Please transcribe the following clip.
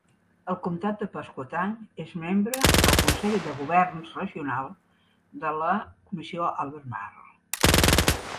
El comtat de Pasquotank és membre del consell de governs regional de la Comissió Albemarle.